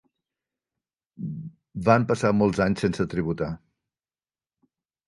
Van passar molts anys sense tributar.